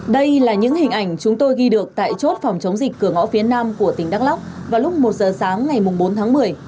đây là những hình ảnh chúng tôi ghi được tại chốt phòng chống dịch cửa ngõ phía nam của tỉnh đắk lóc vào lúc một giờ sáng ngày bốn tháng một mươi